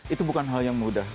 itu bukan hal yang mudah